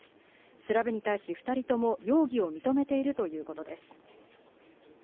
調べに対し２人とも容疑を認めているということです。